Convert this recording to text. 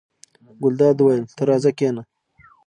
ګلداد وویل: ته راځه کېنه.